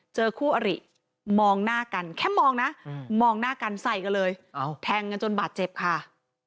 เจอคู่อริมองหน้ากันแค่มองนะมองหน้ากันใส่กันเลยแทงกันจนบาดเจ็บค่ะ